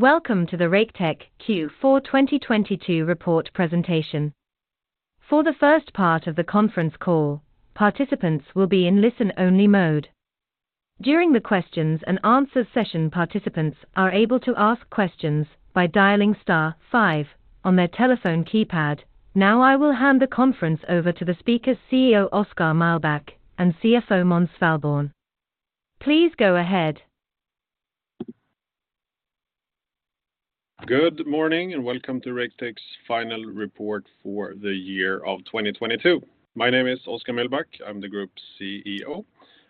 Welcome to the Raketech Q4 2022 report presentation. For the first part of the conference call, participants will be in listen-only mode. During the questions and answers session, participants are able to ask questions by dialing star five on their telephone keypad. I will hand the conference over to the speakers CEO Oskar Mühlbach and CFO Måns Svalborn. Please go ahead. Good morning and welcome to Raketech's final report for the year of 2022. My name is Oskar Mühlbach, I'm the Group CEO,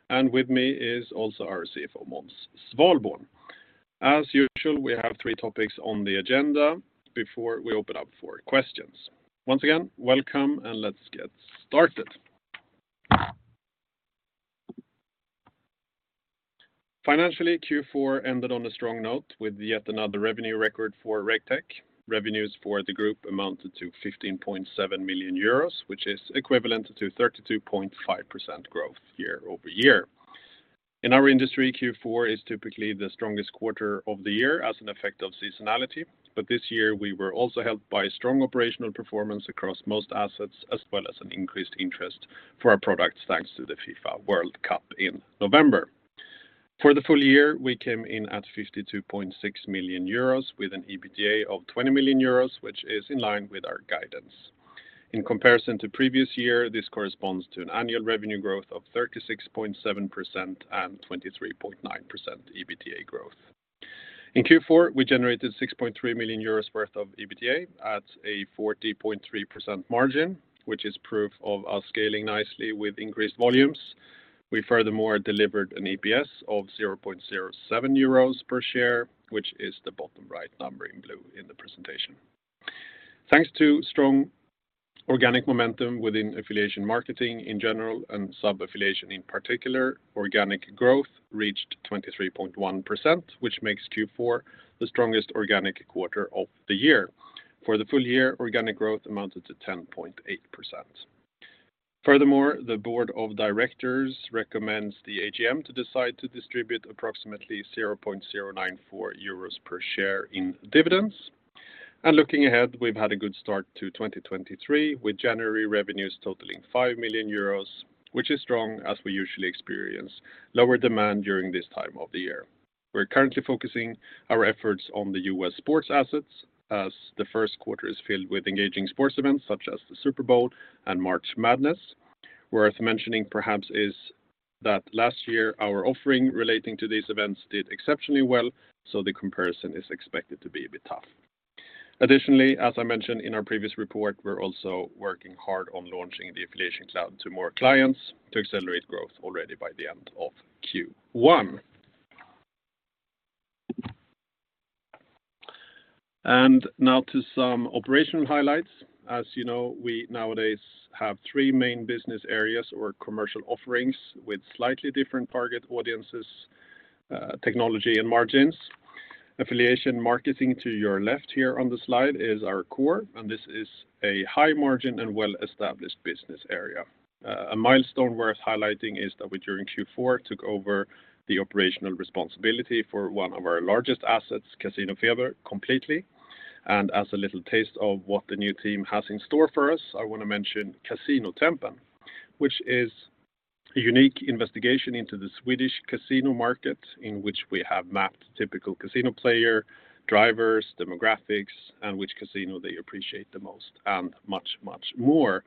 and with me is also our CFO, Måns Svalborn. As usual, we have three topics on the agenda before we open up for questions. Once again, welcome and let's get started. Financially, Q4 ended on a strong note with yet another revenue record for Raketech. Revenues for the group amounted to 15.7 million euros, which is equivalent to 32.5% growth year-over-year. In our industry, Q4 is typically the strongest quarter of the year as an effect of seasonality. This year, we were also helped by strong operational performance across most assets, as well as an increased interest for our products, thanks to the FIFA World Cup in November. For the full year, we came in at 52.6 million euros with an EBITDA of 20 million euros, which is in line with our guidance. In comparison to previous year, this corresponds to an annual revenue growth of 36.7% and 23.9% EBITDA growth. In Q4, we generated 6.3 million euros worth of EBITDA at a 40.3% margin, which is proof of us scaling nicely with increased volumes. We furthermore delivered an EPS of 0.07 euros per share, which is the bottom right number in blue in the presentation. Thanks to strong organic momentum within affiliation marketing in general and sub-affiliation in particular, organic growth reached 23.1%, which makes Q4 the strongest organic quarter of the year. For the full year, organic growth amounted to 10.8%. Furthermore, the board of directors recommends the AGM to decide to distribute approximately 0.094 euros per share in dividends. Looking ahead, we've had a good start to 2023, with January revenues totaling 5 million euros, which is strong as we usually experience lower demand during this time of the year. We're currently focusing our efforts on the U.S. sports assets as the first quarter is filled with engaging sports events such as the Super Bowl and March Madness. Worth mentioning, perhaps, is that last year our offering relating to these events did exceptionally well, the comparison is expected to be a bit tough. As I mentioned in our previous report, we're also working hard on launching the AffiliationCloud to more clients to accelerate growth already by the end of Q1. Now to some operational highlights. As you know, we nowadays have three main business areas or commercial offerings with slightly different target audiences, technology and margins. Affiliation marketing to your left here on the slide is our core, and this is a high-margin and well-established business area. A milestone worth highlighting is that we, during Q4, took over the operational responsibility for one of our largest assets, CasinoFeber, completely. As a little taste of what the new team has in store for us, I want to mention Casinotempen, which is a unique investigation into the Swedish casino market in which we have mapped typical casino player, drivers, demographics, and which casino they appreciate the most and much, much more.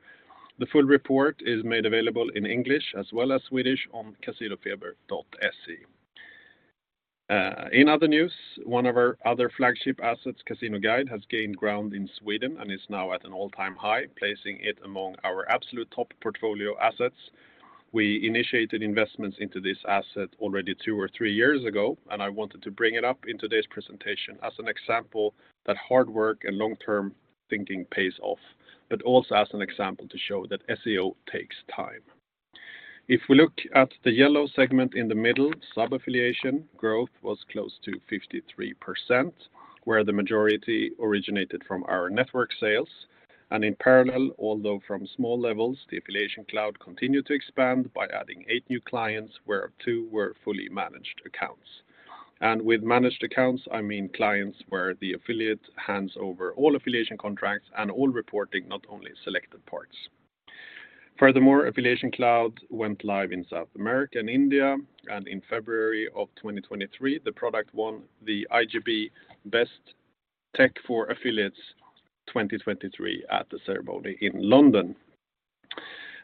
The full report is made available in English as well as Swedish on CasinoFeber.se. In other news, one of our other flagship assets, CasinoGuide, has gained ground in Sweden and is now at an all-time high, placing it among our absolute top portfolio assets. We initiated investments into this asset already two or three years ago, and I wanted to bring it up in today's presentation as an example that hard work and long-term thinking pays off, but also as an example to show that SEO takes time. If we look at the yellow segment in the middle, sub-affiliation growth was close to 53%, where the majority originated from our network sales. In parallel, although from small levels, the AffiliationCloud continued to expand by adding eight new clients, where two were fully managed accounts. With managed accounts, I mean clients where the affiliate hands over all affiliation contracts and all reporting, not only selected parts. Furthermore, AffiliationCloud went live in South America and India, in February of 2023, the product won the iGB Best Tech for Affiliates 2023 at the ceremony in London.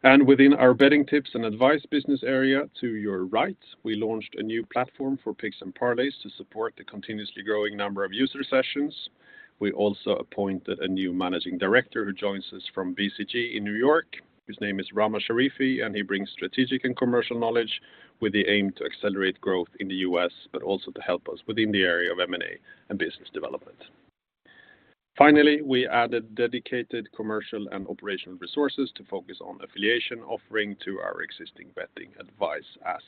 Within our Betting tips and advice business area to your right, we launched a new platform for picks and parlays to support the continuously growing number of user sessions. We also appointed a new managing director who joins us from BCG in New York. His name is Rama Sharifi, and he brings strategic and commercial knowledge with the aim to accelerate growth in the U.S., but also to help us within the area of M&A and business development. Finally, we added dedicated commercial and operational resources to focus on affiliation offering on our existing betting advice assets.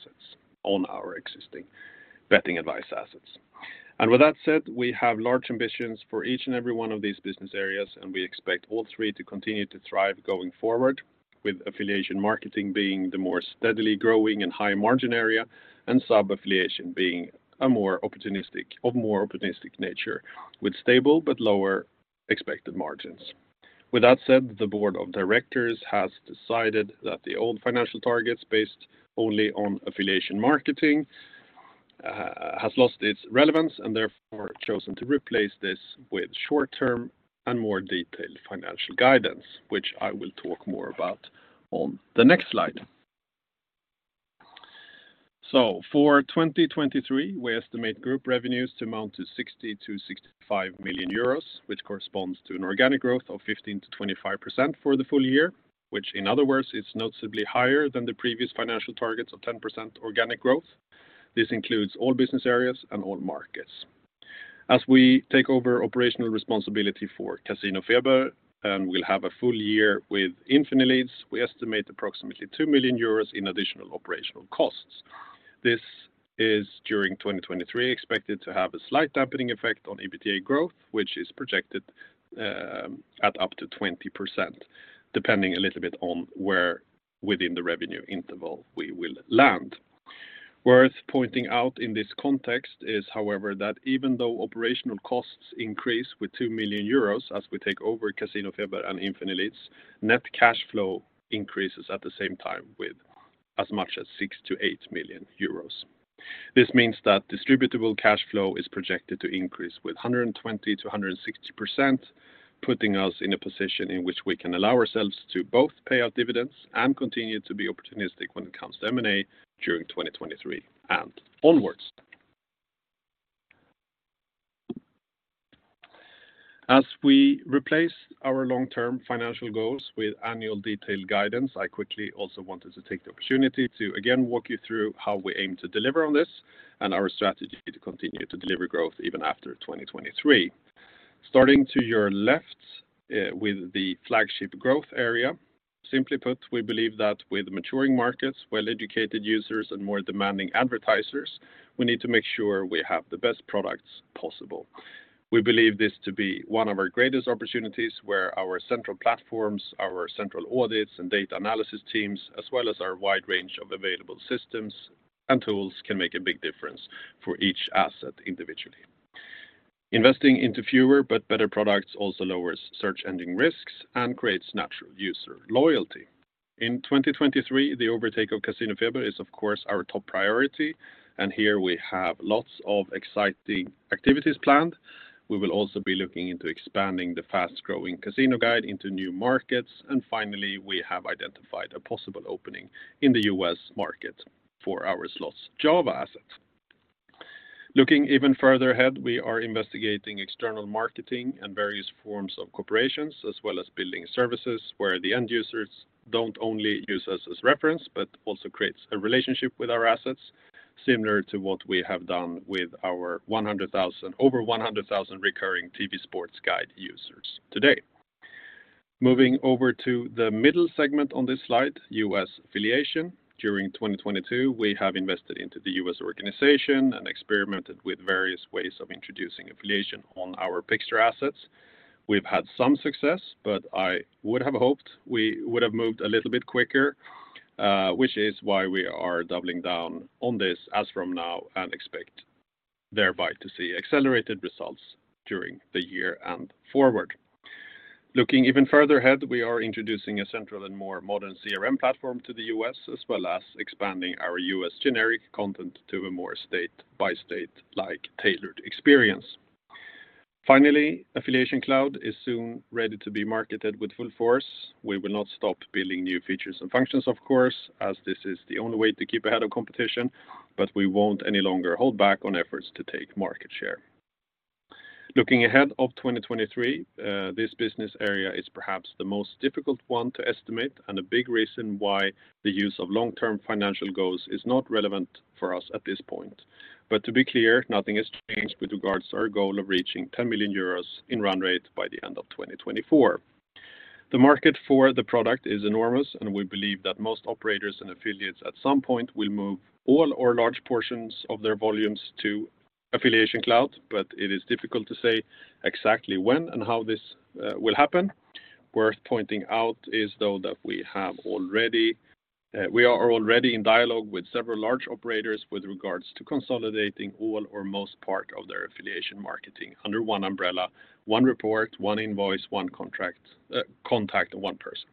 With that said, we have large ambitions for each and every one of these business areas, and we expect all three to continue to thrive going forward, with affiliation marketing being the more steadily growing and high-margin area, and sub-affiliation being of more opportunistic nature, with stable but lower expected margins. With that said, the board of directors has decided that the old financial targets based only on affiliation marketing has lost its relevance and therefore chosen to replace this with short-term and more detailed financial guidance, which I will talk more about on the next slide. For 2023, we estimate group revenues to amount to 60 million-65 million euros, which corresponds to an organic growth of 15%-25% for the full year, which in other words, is noticeably higher than the previous financial targets of 10% organic growth. This includes all business areas and all markets. As we take over operational responsibility for CasinoFeber, and we'll have a full year with Infinileads, we estimate approximately 2 million euros in additional operational costs. This is during 2023 expected to have a slight dampening effect on EBITDA growth, which is projected at up to 20%, depending a little bit on where within the revenue interval we will land. Worth pointing out in this context is, however, that even though operational costs increase with 2 million euros as we take over CasinoFeber and Infinileads, net cash flow increases at the same time with as much as 6 million-8 million euros. This means that distributable cash flow is projected to increase with 120%-160%, putting us in a position in which we can allow ourselves to both pay out dividends and continue to be opportunistic when it comes to M&A during 2023 and onwards. As we replace our long-term financial goals with annual detailed guidance, I quickly also wanted to take the opportunity to again walk you through how we aim to deliver on this and our strategy to continue to deliver growth even after 2023. Starting to your left, with the flagship growth area, simply put, we believe that with maturing markets, well-educated users, and more demanding advertisers, we need to make sure we have the best products possible. We believe this to be one of our greatest opportunities where our central platforms, our central audits and data analysis teams, as well as our wide range of available systems and tools can make a big difference for each asset individually. Investing into fewer but better products also lowers search ending risks and creates natural user loyalty. In 2023, the overtake of CasinoFeber is of course our top priority. Here we have lots of exciting activities planned. We will also be looking into expanding the fast-growing casino guide into new markets. Finally, we have identified a possible opening in the US market for our SlotsJava assets. Looking even further ahead, we are investigating external marketing and various forms of corporations, as well as building services where the end users don't only use us as reference, but also creates a relationship with our assets, similar to what we have done with our over 100,000 recurring TV sports guide users today. Moving over to the middle segment on this slide, U.S. affiliation. During 2022, we have invested into the U.S. organization and experimented with various ways of introducing affiliation on our picture assets. We've had some success, but I would have hoped we would have moved a little bit quicker, which is why we are doubling down on this as from now and expect thereby to see accelerated results during the year and forward. Looking even further ahead, we are introducing a central and more modern CRM platform to the U.S., as well as expanding our U.S. generic content to a more state-by-state-like tailored experience. Finally, AffiliationCloud is soon ready to be marketed with full force. We will not stop building new features and functions of course, as this is the only way to keep ahead of competition, but we won't any longer hold back on efforts to take market share. Looking ahead of 2023, this business area is perhaps the most difficult one to estimate and a big reason why the use of long-term financial goals is not relevant for us at this point. To be clear, nothing has changed with regards to our goal of reaching 10 million euros in run rate by the end of 2024. The market for the product is enormous, and we believe that most operators and affiliates at some point will move all or large portions of their volumes to AffiliationCloud, but it is difficult to say exactly when and how this will happen. Worth pointing out is, though, that we are already in dialogue with several large operators with regards to consolidating all or most part of their affiliation marketing under one umbrella, one report, one invoice, one contract, contact, and one person.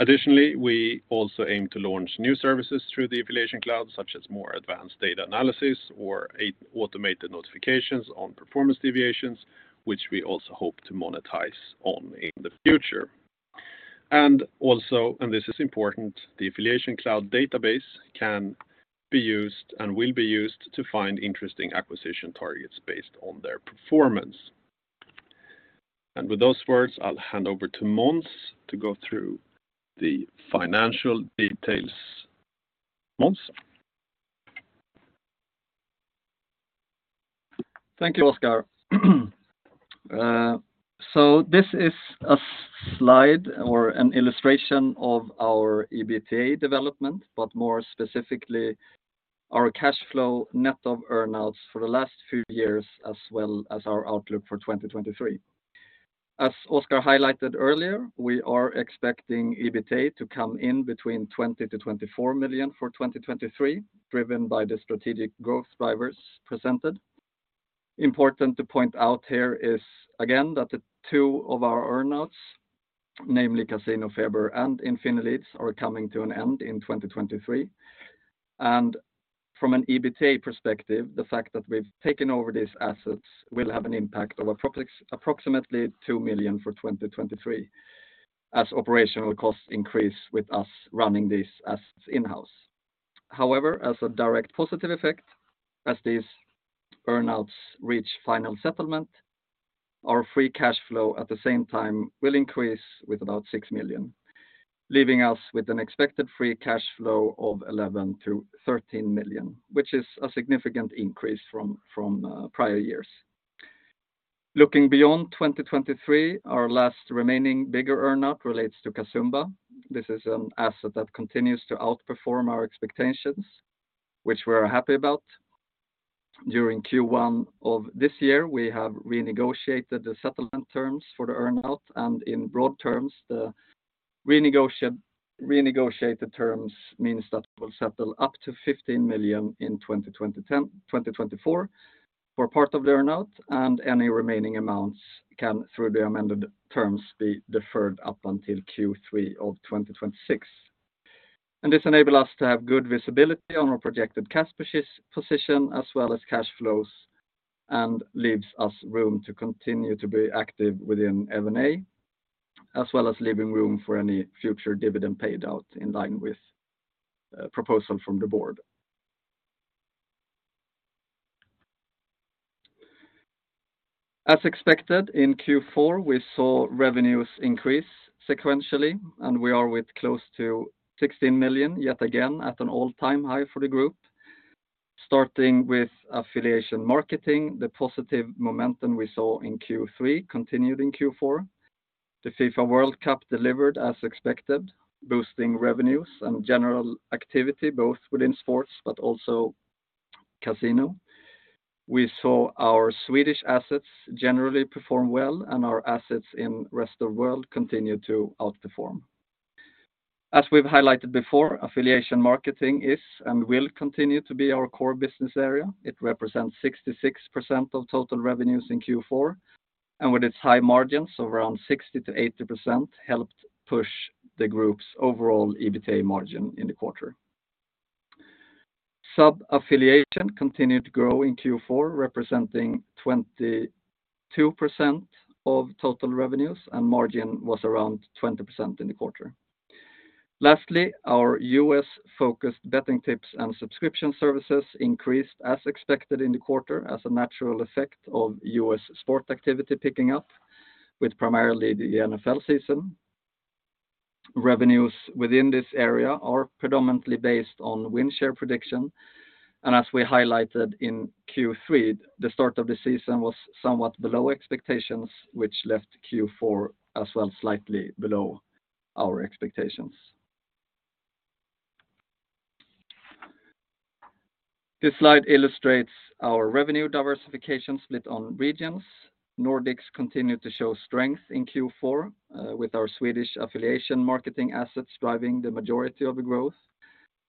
Additionally, we also aim to launch new services through the AffiliationCloud, such as more advanced data analysis or automated notifications on performance deviations, which we also hope to monetize on in the future. Also, and this is important, the AffiliationCloud database can be used and will be used to find interesting acquisition targets based on their performance. With those words, I'll hand over to Måns to go through the financial details. Måns? Thank you, Oskar. This is a slide or an illustration of our EBITDA development, but more specifically, our cash flow net of earn-outs for the last few years, as well as our outlook for 2023. As Oskar highlighted earlier, we are expecting EBITDA to come in between 20 million-24 million for 2023, driven by the strategic growth drivers presented. Important to point out here is, again, that the two of our earn-outs, namely CasinoFeber and Infinileads, are coming to an end in 2023. From an EBITDA perspective, the fact that we've taken over these assets will have an impact of approximately 2 million for 2023 as operational costs increase with us running these assets in-house. As a direct positive effect, as these earn-outs reach final settlement, our free cash flow at the same time will increase with about 6 million, leaving us with an expected free cash flow of 11 million-13 million, which is a significant increase from prior years. Looking beyond 2023, our last remaining bigger earn-out relates to Casumba. This is an asset that continues to outperform our expectations, which we're happy about. During Q1 of this year, we have renegotiated the settlement terms for the earn-out, and in broad terms, the renegotiated terms means that we'll settle up to 15 million in 2024 for part of the earn-out, and any remaining amounts can, through the amended terms, be deferred up until Q3 of 2026. This enable us to have good visibility on our projected cash position as well as cash flows and leaves us room to continue to be active within M&A, as well as leaving room for any future dividend paid out in line with proposal from the board. As expected, in Q4, we saw revenues increase sequentially, and we are with close to 16 million yet again at an all-time high for the group. Starting with affiliation marketing, the positive momentum we saw in Q3 continued in Q4. The FIFA World Cup delivered as expected, boosting revenues and general activity, both within sports but also casino. We saw our Swedish assets generally perform well, and our assets in rest of world continue to outperform. As we've highlighted before, affiliation marketing is and will continue to be our core business area. It represents 66% of total revenues in Q4, and with its high margins of around 60%-80%, helped push the group's overall EBITDA margin in the quarter. Sub-affiliation continued to grow in Q4, representing 22% of total revenues, and margin was around 20% in the quarter. Lastly, our U.S.-focused betting tips and subscription services increased as expected in the quarter as a natural effect of U.S. sport activity picking up with primarily the NFL season. Revenues within this area are predominantly based on win share prediction, and as we highlighted in Q3, the start of the season was somewhat below expectations, which left Q4 as well slightly below our expectations. This slide illustrates our revenue diversification split on regions. Nordics continued to show strength in Q4, with our Swedish affiliation marketing assets driving the majority of the growth.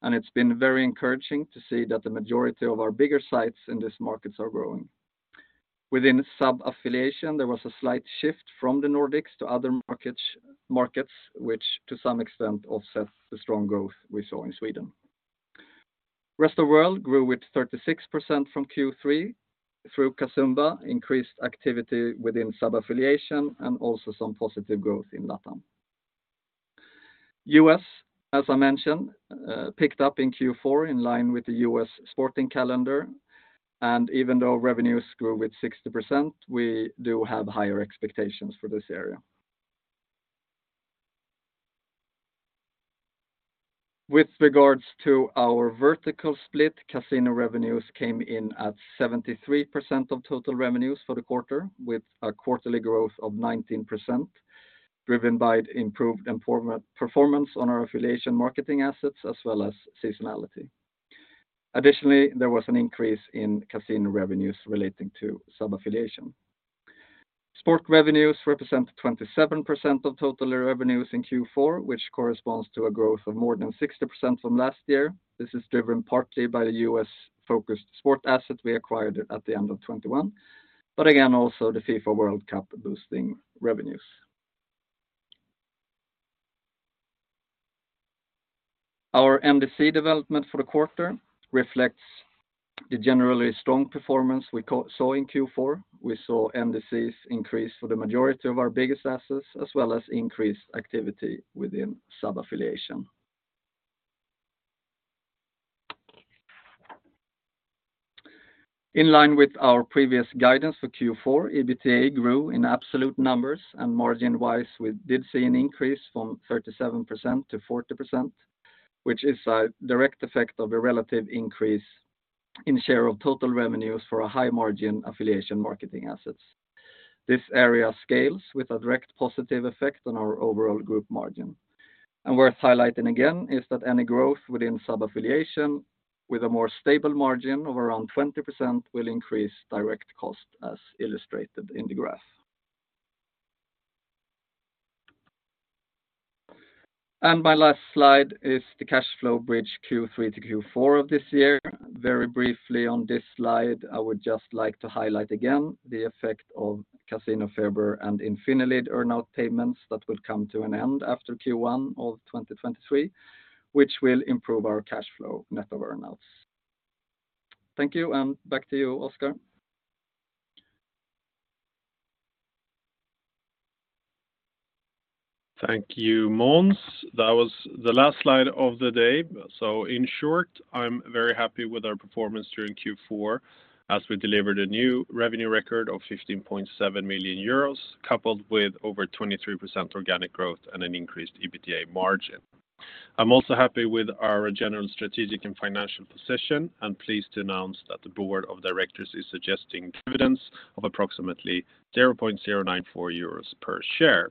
It's been very encouraging to see that the majority of our bigger sites in these markets are growing. Within sub-affiliation, there was a slight shift from the Nordics to other markets, which to some extent offsets the strong growth we saw in Sweden. Rest of world grew with 36% from Q3 through Casumba increased activity within sub-affiliation and also some positive growth in LATAM. U.S., as I mentioned, picked up in Q4 in line with the U.S. sporting calendar, even though revenues grew with 60%, we do have higher expectations for this area. With regards to our vertical split, casino revenues came in at 73% of total revenues for the quarter, with a quarterly growth of 19%, driven by the improved performance on our affiliation marketing assets as well as seasonality. Additionally, there was an increase in casino revenues relating to sub-affiliation. Sport revenues represent 27% of total revenues in Q4, which corresponds to a growth of more than 60% from last year. This is driven partly by the US-focused sport asset we acquired at the end of 2021, again, also the FIFA World Cup boosting revenues. Our MDC development for the quarter reflects the generally strong performance we saw in Q4. We saw MDCs increase for the majority of our biggest assets, as well as increased activity within sub-affiliation. In line with our previous guidance for Q4, EBITDA grew in absolute numbers, and margin-wise, we did see an increase from 37% to 40%, which is a direct effect of a relative increase in share of total revenues for a high-margin affiliation marketing assets. This area scales with a direct positive effect on our overall group margin. Worth highlighting again is that any growth within sub-affiliation with a more stable margin of around 20% will increase direct cost as illustrated in the graph. My last slide is the cash flow bridge Q3 to Q4 of this year. Very briefly on this slide, I would just like to highlight again the effect of CasinoFeber and Infinileads earn-out payments that will come to an end after Q1 of 2023, which will improve our cash flow net of earn-outs. Thank you, and back to you, Oskar. Thank you, Måns. That was the last slide of the day. In short, I'm very happy with our performance during Q4 as we delivered a new revenue record of 15.7 million euros, coupled with over 23% organic growth and an increased EBITDA margin. I'm also happy with our general strategic and financial position, and pleased to announce that the board of directors is suggesting dividends of approximately 0.094 euros per share.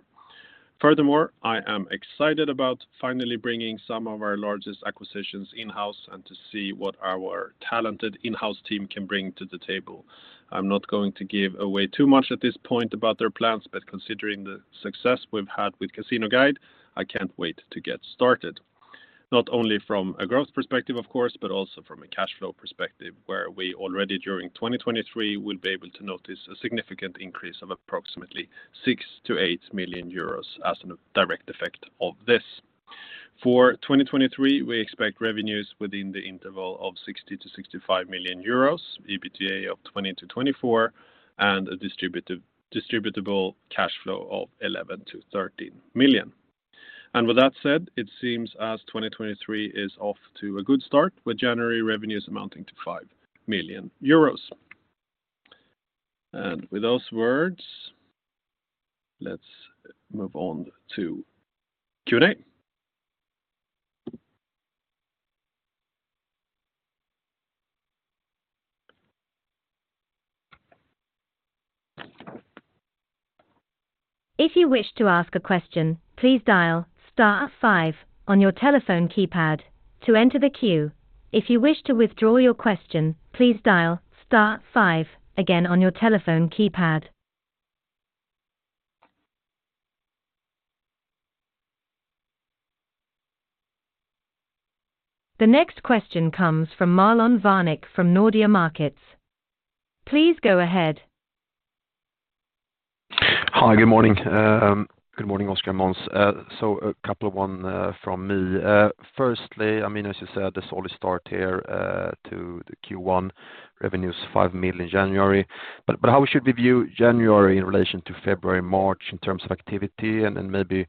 I am excited about finally bringing some of our largest acquisitions in-house and to see what our talented in-house team can bring to the table. I'm not going to give away too much at this point about their plans, considering the success we've had with Casino Guide, I can't wait to get started. Not only from a growth perspective, of course, but also from a cash flow perspective, where we already during 2023 will be able to notice a significant increase of approximately 6 million-8 million euros as a direct effect of this. For 2023, we expect revenues within the interval of 60 million-65 million euros, EBITDA of 20 million-24 million, and a distributable cash flow of 11 million-13 million. With that said, it seems as 2023 is off to a good start with January revenues amounting to 5 million euros. With those words, let's move on to Q&A. If you wish to ask a question, please dial star five on your telephone keypad to enter the queue. If you wish to withdraw your question, please dial star five again on your telephone keypad. The next question comes from Marlon Värnik from Nordea Markets. Please go ahead. Hi, good morning. Good morning, Oskar Mühlbach and Måns Svalborn. A couple of one from me. Firstly, I mean, as you said, the solid start here to the Q1 revenues 5 million in January. How should we view January in relation to February, March in terms of activity? Maybe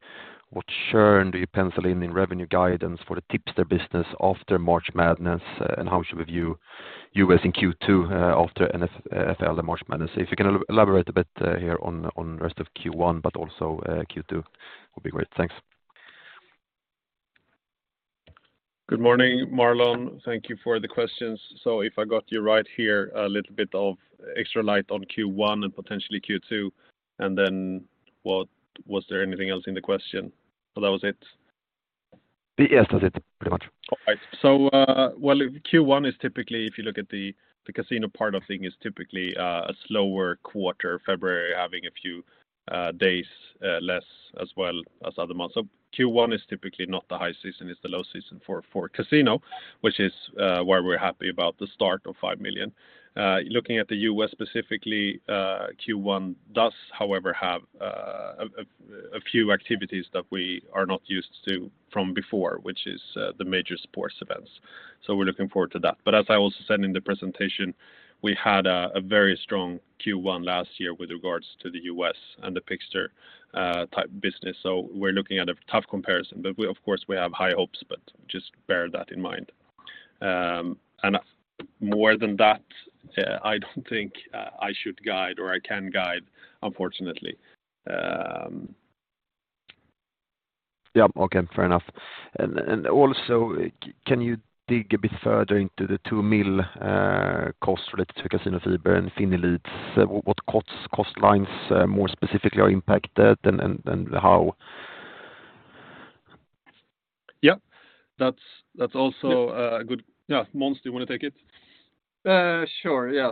what churn do you pencil in in revenue guidance for the Tipster business after March Madness? How should we view U.S. in Q2 after NFL and March Madness? If you can elaborate a bit here on rest of Q1, but also Q2 will be great. Thanks. Good morning, Marlon. Thank you for the questions. If I got you right here, a little bit of extra light on Q1 and potentially Q2, and then was there anything else in the question? That was it? Yes, that's it, pretty much. All right. Well, Q1 is typically, if you look at the casino part of thing, is typically a slower quarter, February having a few days less as well as other months. Q1 is typically not the high season, it's the low season for casino, which is why we're happy about the start of 5 million. Looking at the U.S. specifically, Q1 does, however, have a few activities that we are not used to from before, which is the major sports events. We're looking forward to that. As I was saying in the presentation, we had a very strong Q1 last year with regards to the U.S. and the Picker type business. We're looking at a tough comparison. Of course, we have high hopes, but just bear that in mind. More than that, I don't think I should guide or I can guide, unfortunately. Yeah, okay, fair enough. Also, can you dig a bit further into the 2 million cost related to CasinoFeber and Infinileads? What cost lines more specifically are impacted and how? Yeah, that's also. Måns, do you want to take it? Sure, yeah.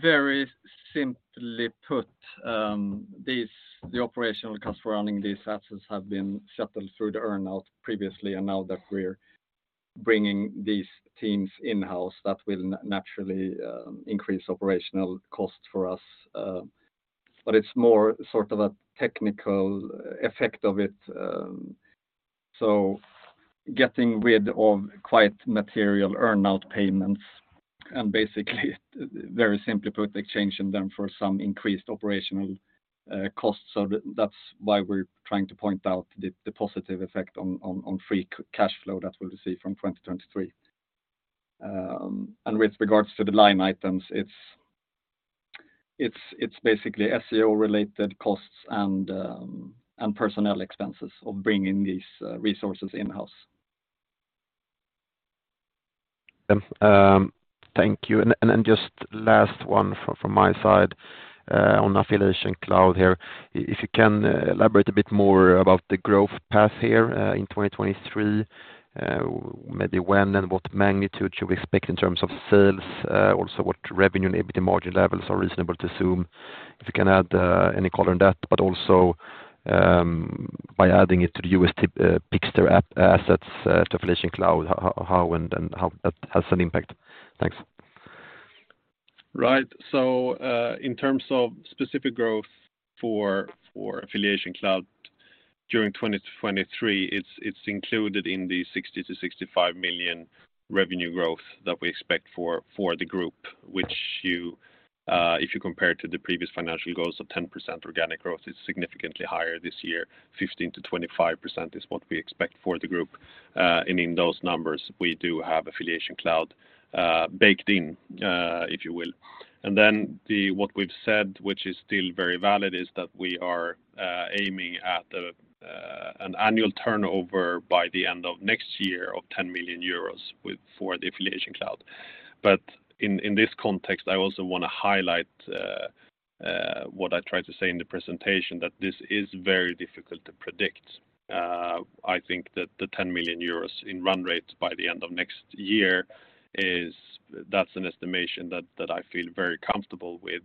Very simply put, the operational cost for running these assets have been shuttled through the earn out previously, now that we're bringing these teams in-house, that will naturally increase operational costs for us. It's more sort of a technical effect of it. Getting rid of quite material earn out payments and basically very simply put, exchanging them for some increased operational costs. That's why we're trying to point out the positive effect on free cash flow that we'll receive from 2023. With regards to the line items, it's basically SEO related costs and personnel expenses of bringing these resources in-house. Thank you. Just last one from my side on AffiliationCloud here. If you can elaborate a bit more about the growth path here in 2023, maybe when and what magnitude should we expect in terms of sales? What revenue and EBITDA margin levels are reasonable to assume? If you can add any color on that, but also, by adding it to the U.S., Tipster app assets, to AffiliationCloud, how and then how that has an impact. Thanks. Right. In terms of specific growth for AffiliationCloud during 2023, it's included in the 60 million-65 million revenue growth that we expect for the group, which if you compare to the previous financial goals of 10% organic growth is significantly higher this year. 15%-25% is what we expect for the group. In those numbers, we do have AffiliationCloud baked in, if you will. What we've said, which is still very valid, is that we are aiming at an annual turnover by the end of next year of 10 million euros for the AffiliationCloud. In this context, I also wanna highlight what I tried to say in the presentation, that this is very difficult to predict. I think that the 10 million euros in run rates by the end of next year is. That's an estimation that I feel very comfortable with.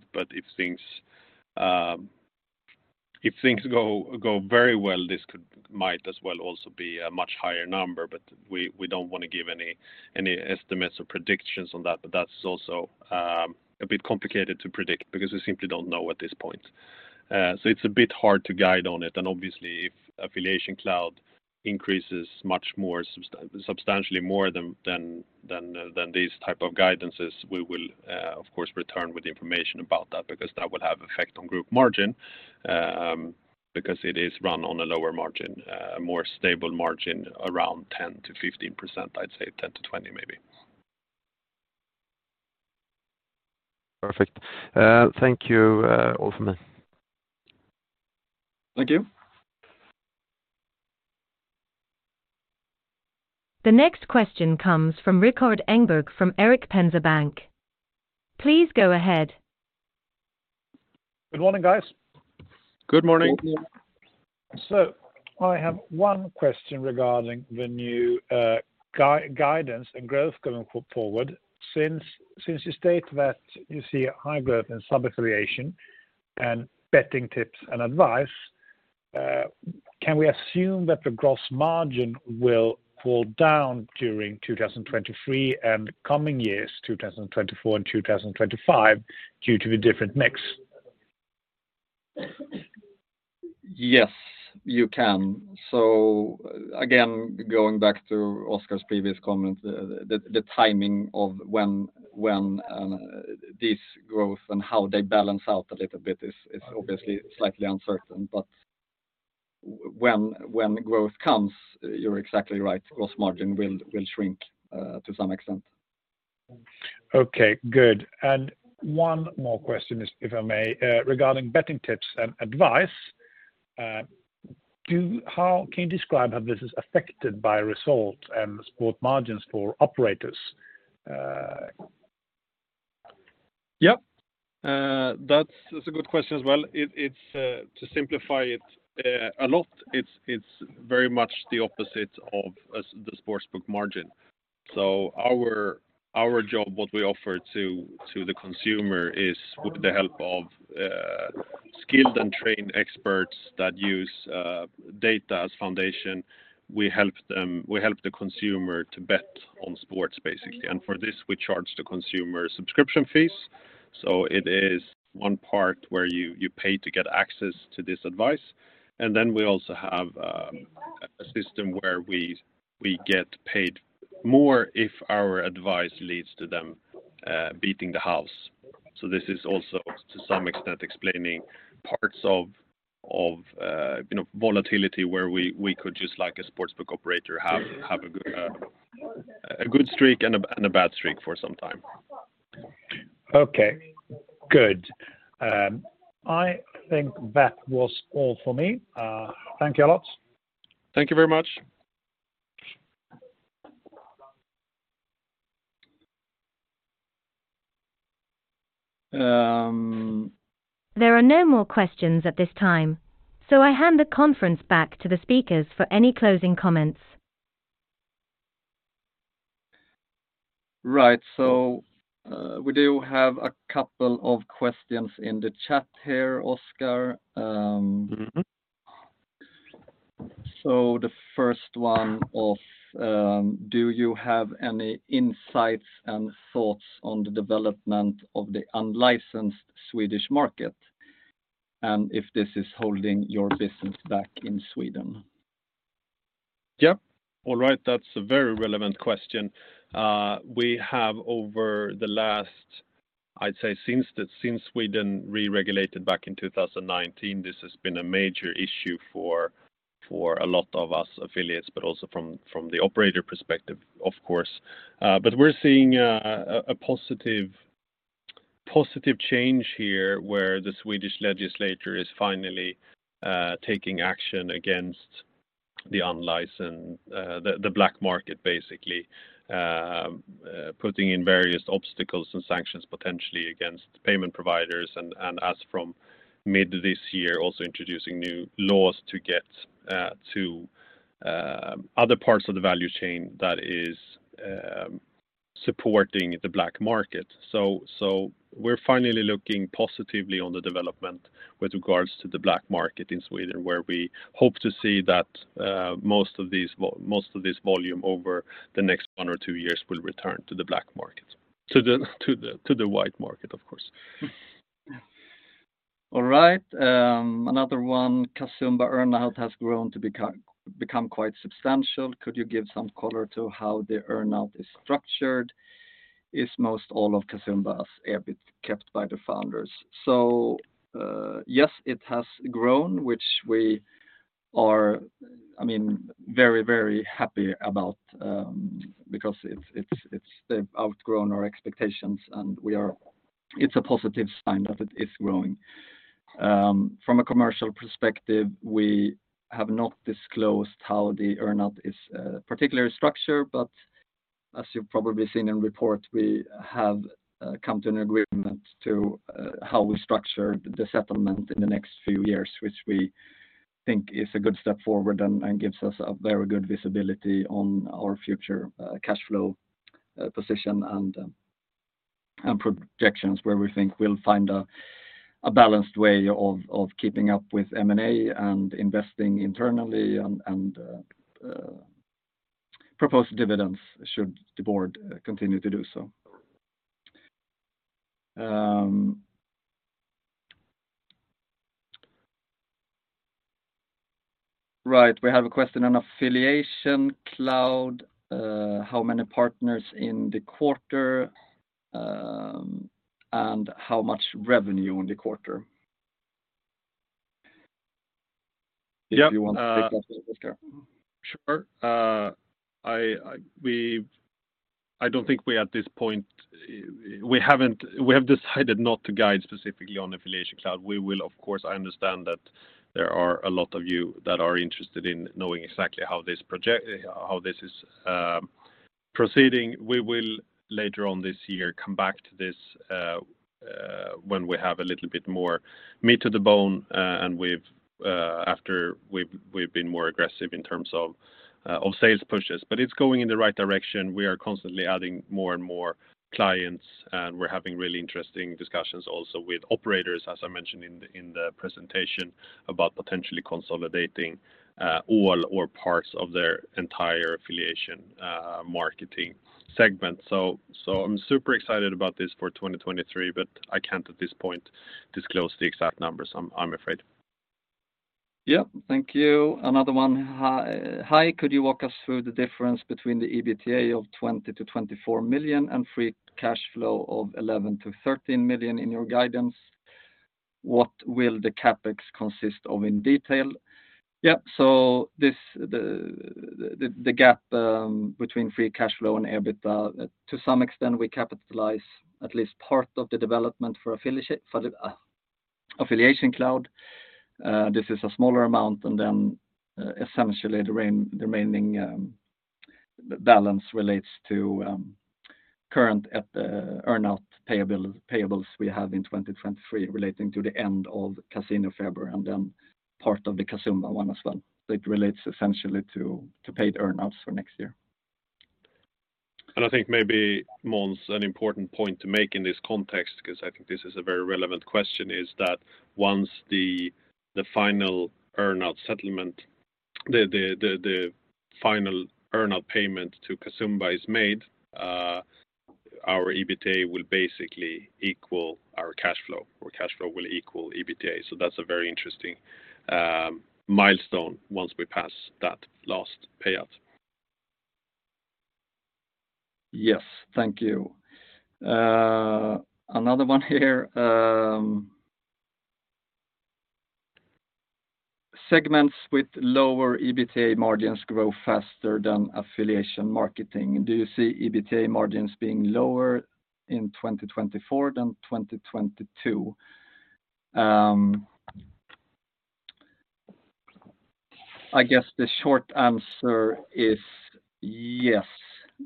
If things go very well, this could might as well also be a much higher number. We don't wanna give any estimates or predictions on that. That's also a bit complicated to predict because we simply don't know at this point. It's a bit hard to guide on it. Obviously if AffiliationCloud increases much more substantially more than these type of guidances, we will, of course return with information about that, because that would have effect on group margin, because it is run on a lower margin, a more stable margin around 10%-15%, I'd say 10%-20% maybe. Perfect. Thank you, Oskar Mühlbach. Thank you. The next question comes from Rikard Engberg from Erik Penser Bank. Please go ahead. Good morning, guys. Good morning. Good morning. I have one question regarding the new guidance and growth going forward. Since you state that you see high growth in sub-affiliation and betting tips and advice, can we assume that the gross margin will fall down during 2023 and the coming years, 2024 and 2025, due to the different mix? Yes, you can. Again, going back to Oskar's previous comment, the timing of when this growth and how they balance out a little bit is obviously slightly uncertain. When growth comes, you're exactly right, gross margin will shrink to some extent. Okay, good. One more question is, if I may, regarding Betting tips and advice, how can you describe how this is affected by results and sport margins for operators? Yeah. That's a good question as well. It's to simplify it a lot, it's very much the opposite of as the sportsbook margin. Our job, what we offer to the consumer is with the help of skilled and trained experts that use data as foundation, we help the consumer to bet on sports, basically. For this, we charge the consumer subscription fees. It is one part where you pay to get access to this advice. Then we also have a system where we get paid more if our advice leads to them beating the house. This is also to some extent explaining parts of, you know, volatility where we could just like a sportsbook operator, have a good streak and a bad streak for some time. Okay, good. I think that was all for me. Thank you a lot. Thank you very much. There are no more questions at this time, so I hand the conference back to the speakers for any closing comments. Right. We do have a couple of questions in the chat here, Oskar. Mm-hmm. The first one of, do you have any insights and thoughts on the development of the unlicensed Swedish market and if this is holding your business back in Sweden? Yep. All right. That's a very relevant question. We have over the last, I'd say since Sweden re-regulated back in 2019, this has been a major issue for a lot of us affiliates, but also from the operator perspective, of course. We're seeing a positive change here where the Swedish legislature is finally taking action against the unlicensed, the black market basically, putting in various obstacles and sanctions potentially against payment providers and as from mid this year, also introducing new laws to get to other parts of the value chain that is supporting the black market. We're finally looking positively on the development with regards to the black market in Sweden, where we hope to see that most of this volume over the next one or two years will return to the white market, of course. All right. Another one, Casumba earn-out has grown to become quite substantial. Could you give some color to how the earn-out is structured? Is most all of Casumba's EBIT kept by the founders? Yes, it has grown, which we are, I mean, very, very happy about because it's outgrown our expectations, and it's a positive sign that it is growing. From a commercial perspective, we have not disclosed how the earn-out is particularly structured, but as you've probably seen in report, we have come to an agreement to how we structure the settlement in the next few years, which we think is a good step forward and gives us a very good visibility on our future cash flow position and projections, where we think we'll find a balanced way of keeping up with M&A and investing internally and proposed dividends should the board continue to do so. Right. We have a question on AffiliationCloud, how many partners in the quarter, and how much revenue in the quarter? If you want to take that, Oskar. Sure. I don't think we at this point. We have decided not to guide specifically on AffiliationCloud. We will, of course, I understand that there are a lot of you that are interested in knowing exactly how this is proceeding. We will later on this year come back to this when we have a little bit more meat to the bone and after we've been more aggressive in terms of sales pushes. It's going in the right direction. We are constantly adding more and more clients, and we're having really interesting discussions also with operators, as I mentioned in the presentation, about potentially consolidating all or parts of their entire Affiliate marketing segment. I'm super excited about this for 2023, but I can't at this point disclose the exact numbers, I'm afraid. Thank you. Another one. Hi, could you walk us through the difference between the EBITDA of 20 million-24 million and free cash flow of 11 million-13 million in your guidance? What will the CapEx consist of in detail? The gap between free cash flow and EBITDA, to some extent, we capitalize at least part of the development for the AffiliationCloud. This is a smaller amount, and then essentially the remaining balance relates to current earn-out payables we have in 2023 relating to the end of CasinoFeber, and then part of the Casumba one as well. It relates essentially to paid earn-outs for next year. I think maybe, Måns, an important point to make in this context, because I think this is a very relevant question, is that once the final earn-out payment to Casumba is made, our EBITDA will basically equal our cash flow, or cash flow will equal EBITDA. That's a very interesting milestone once we pass that last payout. Yes. Thank you. Another one here. Segments with lower EBITDA margins grow faster than Affiliate marketing. Do you see EBITDA margins being lower in 2024 than 2022? I guess the short answer is yes,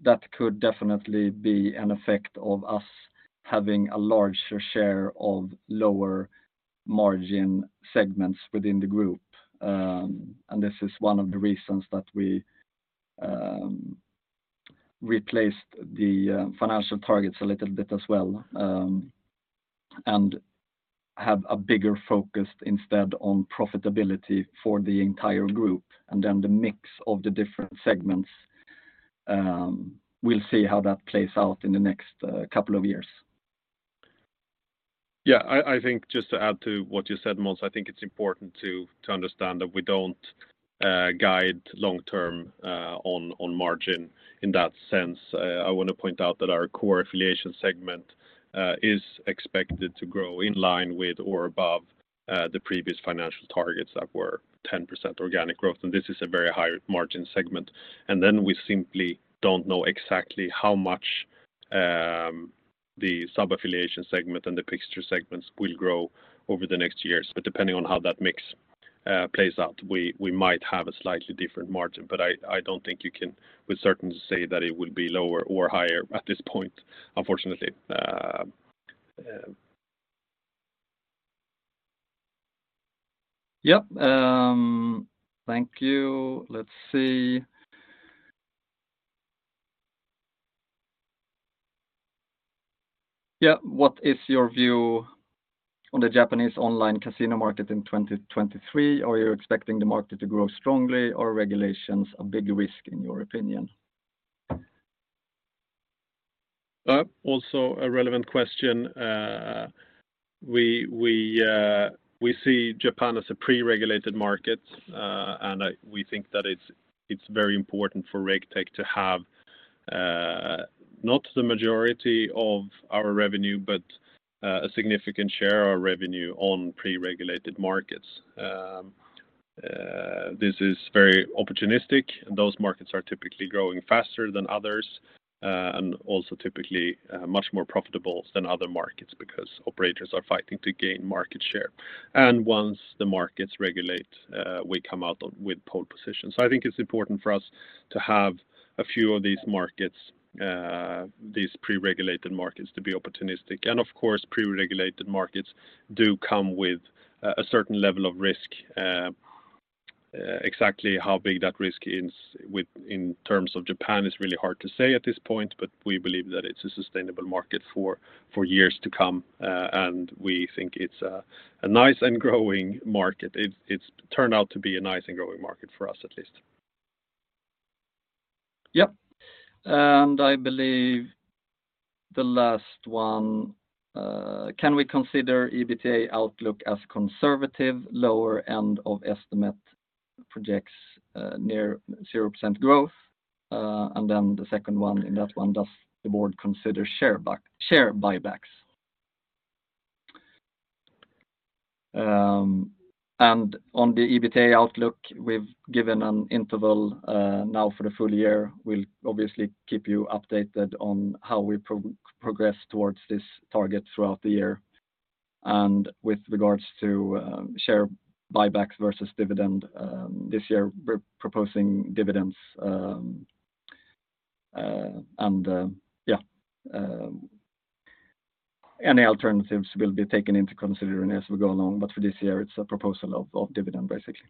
that could definitely be an effect of us having a larger share of lower margin segments within the group. This is one of the reasons that we replaced the financial targets a little bit as well and have a bigger focus instead on profitability for the entire group and then the mix of the different segments. We'll see how that plays out in the next couple of years. Yeah, I think just to add to what you said, Måns, I think it's important to understand that we don't guide long term on margin in that sense. I want to point out that our core affiliation segment is expected to grow in line with or above the previous financial targets that were 10% organic growth, and this is a very high margin segment. Then we simply don't know exactly how much the sub-affiliation segment and the Picker segments will grow over the next years. Depending on how that mix plays out, we might have a slightly different margin. I don't think you can with certainty say that it will be lower or higher at this point, unfortunately. Yep. Thank you. Let's see. Yeah. What is your view on the Japanese online casino market in 2023? Are you expecting the market to grow strongly or regulations a big risk in your opinion? Also a relevant question. We see Japan as a pre-regulated market, we think that it's very important for Raketech to have not the majority of our revenue, but a significant share of our revenue on pre-regulated markets. This is very opportunistic, those markets are typically growing faster than others, also typically much more profitable than other markets because operators are fighting to gain market share. Once the markets regulate, we come out on with pole position. I think it's important for us to have a few of these markets, these pre-regulated markets to be opportunistic. Of course, pre-regulated markets do come with a certain level of risk. Exactly how big that risk is in terms of Japan is really hard to say at this point, but we believe that it's a sustainable market for years to come. We think it's a nice and growing market. It's turned out to be a nice and growing market for us at least. Yep. I believe the last one, can we consider EBITDA outlook as conservative, lower end of estimate projects, near 0% growth? The second one, in that one, does the board consider share buybacks? On the EBITDA outlook, we've given an interval now for the full year. We'll obviously keep you updated on how we progress towards this target throughout the year. With regards to share buybacks versus dividend, this year we're proposing dividends, and yeah. Any alternatives will be taken into consideration as we go along. For this year, it's a proposal of dividend, basically.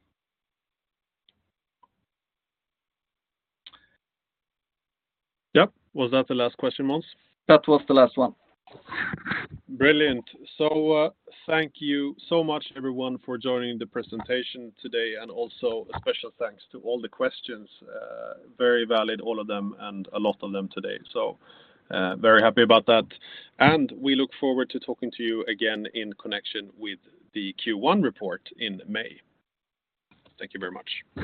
Yep. Was that the last question, Måns? That was the last one. Brilliant. Thank you so much everyone for joining the presentation today, and also a special thanks to all the questions. Very valid, all of them, a lot of them today. Very happy about that. We look forward to talking to you again in connection with the Q1 report in May. Thank you very much.